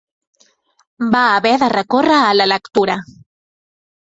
Va haver de recórrer a la lectura